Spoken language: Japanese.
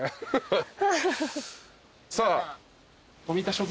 さあ。